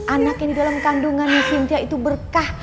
anak yang di dalam kandungan cynthia itu berkah